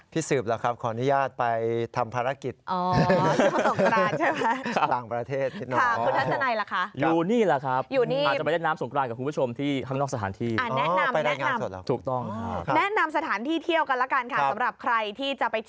สืบล่ะครับขออนุญาตไปทำภารกิจ